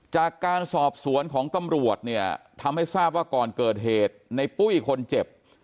จากการสอบสวนของตำรวจเนี่ยทำให้ทราบว่าก่อนเกิดเหตุในปุ้ยคนเจ็บ